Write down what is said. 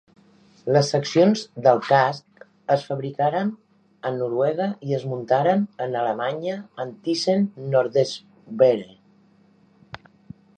Les seccions del casc es fabricaren en Noruega i es muntaren en Alemanya, en Thyssen Nordseewerke.